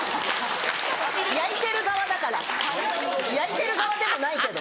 焼いてる側だから焼いてる側でもないけど。